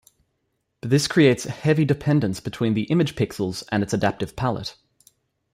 But this creates a heavy dependence between the image pixels and its adaptive palette.